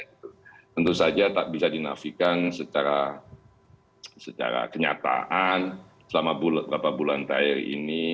tentu saja tak bisa dinafikan secara kenyataan selama beberapa bulan terakhir ini